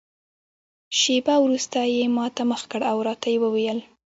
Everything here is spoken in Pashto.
شېبه وروسته یې ما ته مخ کړ او راته ویې ویل.